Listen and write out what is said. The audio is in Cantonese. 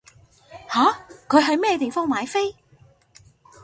吓？佢喺咩地方買飛？